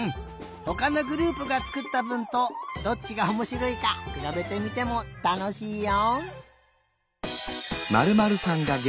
ほかのグループがつくったぶんとどっちがおもしろいかくらべてみてもたのしいよ。